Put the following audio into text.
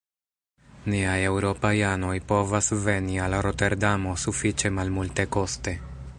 Niaj eŭropaj anoj povas veni al Roterdamo sufiĉe malmultekoste.